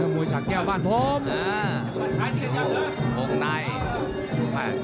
มุยสากแก้วบ้านพร้อม